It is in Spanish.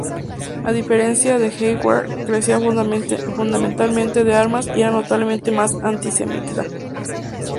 A diferencia de la Heimwehr, carecía fundamentalmente de armas y era notablemente más antisemita.